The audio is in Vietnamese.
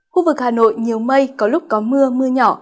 khu vực hà nội nhiều mây có lúc có mưa mưa nhỏ